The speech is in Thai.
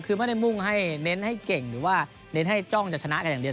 คือไม่ได้มุ่งให้เน้นให้เก่งหรือว่าเน้นให้จ้องจะชนะกันอย่างเดียว